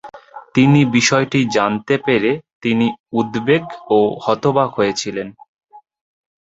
তিনি বিষয়টি জানতে পেরে তিনি "উদ্বেগ ও হতবাক" হয়েছিলেন।